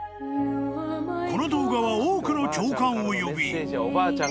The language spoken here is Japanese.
［この動画は多くの共感を呼び］